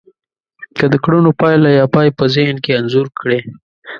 که د کړنو پايله يا پای په ذهن کې انځور کړی.